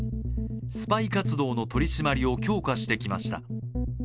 スパイ活動の取り締まりを強化してきました。